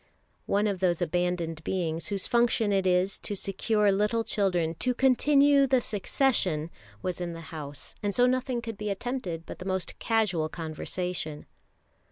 One of those abandoned beings whose function it is to secure little children "to continue the succession" was in the house, and so nothing could be attempted but the most casual conversation.